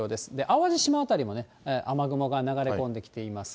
淡路島辺りも雨雲が流れ込んできています。